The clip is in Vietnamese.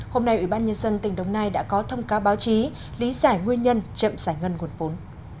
hôm nay ủy ban nhân dân tỉnh đồng nai đã có thông cáo báo chí lý giải nguyên nhân chậm giải ngân nguồn vốn